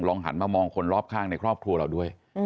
หันมามองคนรอบข้างในครอบครัวเราด้วย